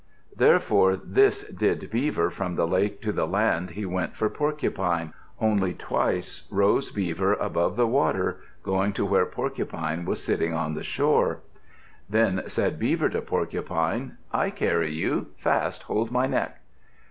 Therefore this did Beaver: from the lake to the land he went for Porcupine. Only twice rose Beaver above the water, going to where Porcupine was sitting on the shore. Then said Beaver to Porcupine, "I carry you. Fast hold my neck."